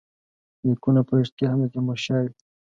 لیکونه په ریشتیا هم د تیمورشاه وي.